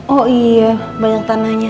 oh iya banyak tanahnya